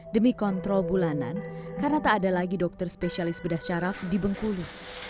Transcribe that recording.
demi kontrol bulanan karena tak ada lagi dokter spesialis bedah syaraf di bengkulu